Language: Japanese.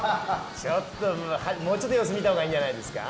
もうちょっと様子見たほうがいいんじゃないですか？